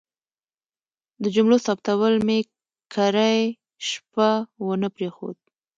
د جملو ثبتول مې کرۍ شپه ونه پرېښود.